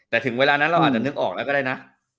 แต่ถึงเวลานั้นเราอาจจะนึกออกแล้วก็ได้นะ